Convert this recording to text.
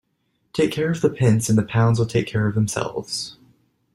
Take care of the pence and the pounds will take care of themselves.